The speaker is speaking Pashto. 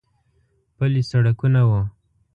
پلي سړکونه و.